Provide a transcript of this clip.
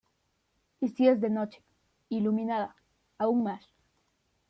Y si es de noche, iluminada, aún más.